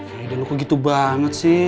yaudah lu kok gitu banget sih